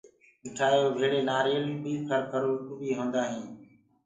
مٺآيو ڀيݪی نآريل ڦل ڦروٚ بي هوندآ هينٚ۔